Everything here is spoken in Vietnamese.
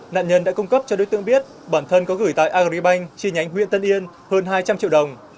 nạn nhân đã cung cấp cho đối tượng biết bản thân có gửi tại agribank chi nhánh huyện tân yên hơn hai trăm linh triệu đồng